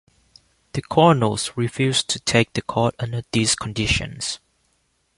The Colonels refused to take the court under these conditions.